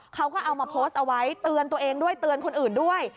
เขาก็เอามาโพสต์เอาไว้เตือนตัวเองด้วยเตือนคนอื่นด้วย